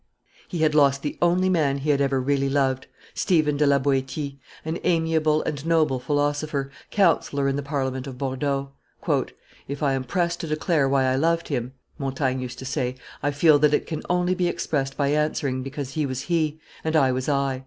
He had lost the only man he had ever really loved, Stephen de la Boetie, an amiable and noble philosopher, counsellor in the Parliament of Bordeaux. "If I am pressed to declare why I loved him," Montaigne used to say, "I feel that it can only be expressed by answering, because he was he, and I was I."